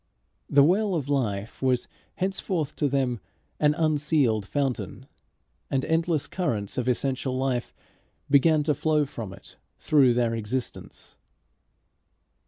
The well of life was henceforth to them an unsealed fountain, and endless currents of essential life began to flow from it through their existence.